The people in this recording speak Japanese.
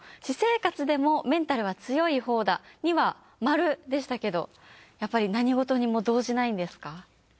「私生活でもメンタルは強い方だ」には○でしたけどやっぱり何事にも動じないんですか？